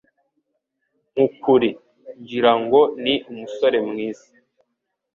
Nkukuri, ngira ngo ni umusore mwiza.